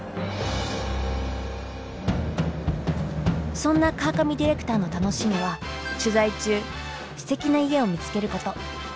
そんな川上ディレクターの楽しみは取材中すてきな家を見つけること。